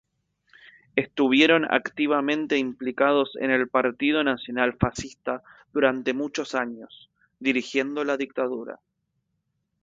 Estuvieron activamente implicados en el Partido Nacional Fascista durante muchos años, dirigiendo la dictadura.